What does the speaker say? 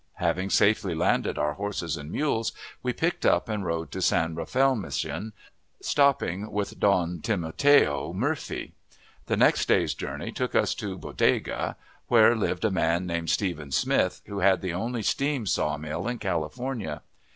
Having safely landed our horses and mules, we picked up and rode to San Rafael Mission, stopping with Don Timoteo Murphy. The next day's journey took us to Bodega, where lived a man named Stephen Smith, who had the only steam saw mill in California.